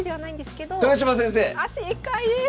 あ正解です！